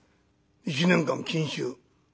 「１年間禁酒」。